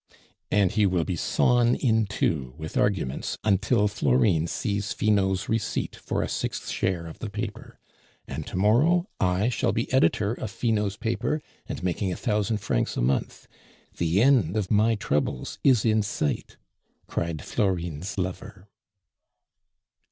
"And he will be sawn in two with arguments until Florine sees Finot's receipt for a sixth share of the paper. And to morrow I shall be editor of Finot's paper, and making a thousand francs a month. The end of my troubles is in sight!" cried Florine's lover.